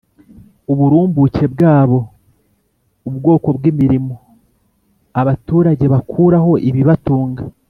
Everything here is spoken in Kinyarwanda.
uburumbuke bwabwo, ubwoko bw'imirimo abaturage bakuraho ibibatunga.